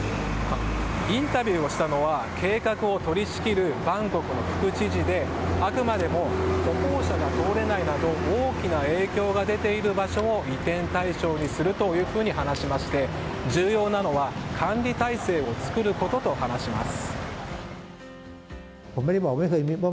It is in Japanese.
インタビューをしたのは計画を取り仕切るバンコクの副知事であくまでも歩行者が通れないなど大きな影響が出ている場所を移転対象にすると話しまして重要なのは管理体制を作ることと話します。